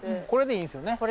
これでいいんですよね？